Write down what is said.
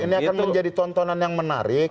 ini akan menjadi tontonan yang menarik